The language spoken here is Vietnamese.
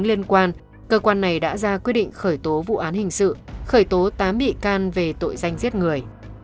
liên quan cơ quan này đã ra quyết định khởi tố vụ án hình sự khởi tố tám bị can về tội danh giết người